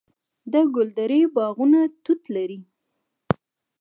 د ګلدرې باغونه توت لري.